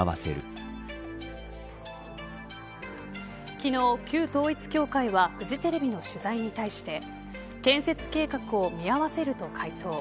昨日、旧統一教会はフジテレビの取材に対して建設計画を見合わせると回答。